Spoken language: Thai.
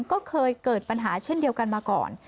ก็เคยเกิดปัญหาเช่นเดียวกันมาก่อน